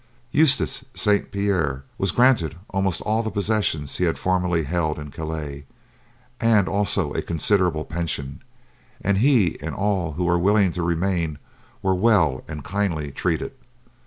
Eustace de St. Pierre was granted almost all the possessions he had formerly held in Calais, and also a considerable pension; and he and all who were willing to remain were well and kindly treated.